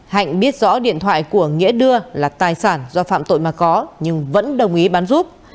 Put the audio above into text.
hạnh biết rõ điện thoại của nghĩa đưa là tài sản do phạm tội mà có nhưng vẫn đồng ý bán giúp